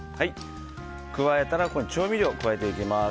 加えたらここに調味料を加えていきます。